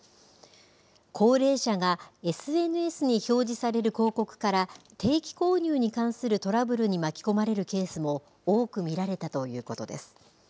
高齢者がＳＮＳに表示される広告から、定期購入に関するトラブルに巻き込まれるケースも多く見られたということです。